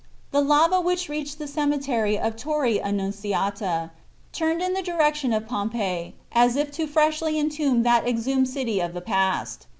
The lava which reached the cemetery of Torre Annunziata turned in the direction of Pompeii as if to freshly entomb that exhumed city of the past.